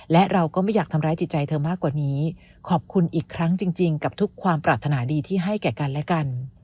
และเราก็ไม่อยากทำร้ายจิตใจเธอมากกว่านี้ขอบคุณอีกครั้งจริงกับทุกความปรารถนาดีที่ให้แก่กันและกัน